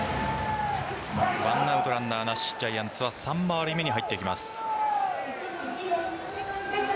１アウトランナーなしジャイアンツは３回り目に入っていきます。